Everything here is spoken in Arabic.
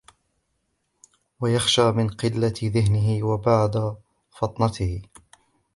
وَيَخْشَى مِنْ قِلَّةِ ذِهْنِهِ وَبُعْدِ فِطْنَتِهِ